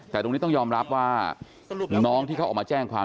แต่ตรงนี้ต้องยอมรับว่าน้องที่เขาออกมาแจ้งความ